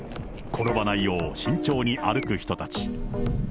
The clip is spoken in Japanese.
転ばないよう、慎重に歩く人たち。